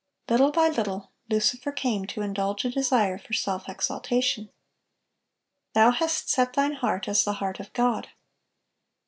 (881) Little by little, Lucifer came to indulge a desire for self exaltation. "Thou hast set thine heart as the heart of God."